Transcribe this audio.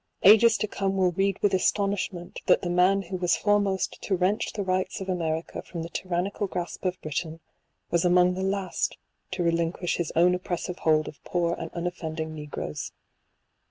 " ages to come will read with astonishment,'' that the man who Was foremost to wrench the rights of America from the tyrannical grasp of Britain, was among the last to relinquish his own oppressive hold of poor and unoffending negroes.